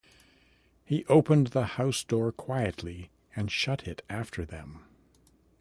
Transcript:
He opened the house door quietly and shut it after them.